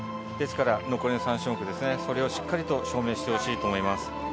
ですから、残りの３種目、それをしっかりと証明してほしいと思います。